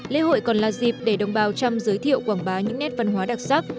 lễ hội còn là dịp để đồng bào trăm giới thiệu quảng bá những nét văn hóa đặc sắc